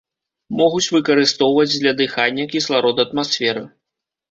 Могуць выкарыстоўваць для дыхання кісларод атмасферы.